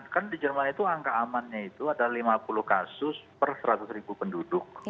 kan di jerman itu angka amannya itu ada lima puluh kasus per seratus ribu penduduk